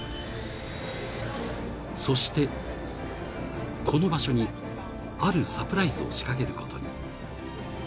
［そしてこの場所にあるサプライズを仕掛けることに］